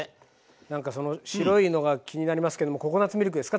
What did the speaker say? なんかその白いのが気になりますけどもココナツミルクですか？